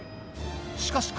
しかし彼